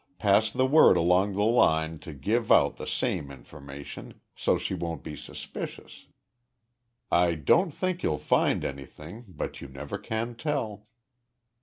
Pass the word along the line to give out the same information, so she won't be suspicious. I don't think you'll find anything, but you never can tell."